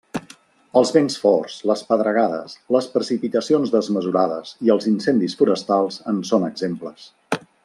Els vents forts, les pedregades, les precipitacions desmesurades i els incendis forestals en són exemples.